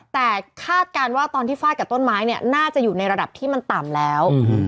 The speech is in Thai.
แต่คาดการณ์ว่าตอนที่ฟาดกับต้นไม้เนี่ยน่าจะอยู่ในระดับที่มันต่ำแล้ว